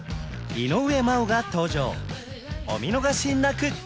井上真央が登場お見逃しなく！